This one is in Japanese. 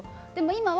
今は。